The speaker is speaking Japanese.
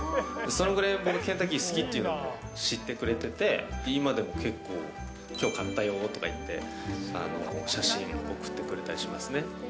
そのぐらい僕、ケンタッキー好きっていうのを知ってくれてて、今でも結構、きょう買ったよとかいって、写真送ってくれたりしますね。